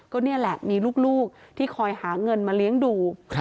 ก็นี่แหละมีลูกที่คอยหาเงินมาเลี้ยงดู